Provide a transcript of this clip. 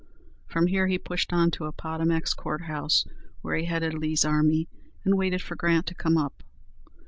From here he pushed on to Appomattox Court House, where he headed Lee's army, and waited for Grant to come up.